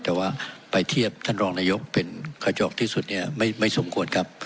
แต่ว่าไปเทียบท่านรองนายกเป็นกระจอกที่สุดเนี่ยไม่สมควรครับ